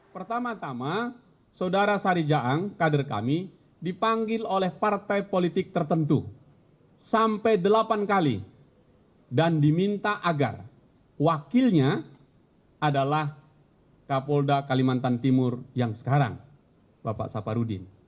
pertama tama saudara sari jaang kader kami dipanggil oleh partai politik tertentu sampai delapan kali dan diminta agar wakilnya adalah kapolda kalimantan timur yang sekarang bapak saparudin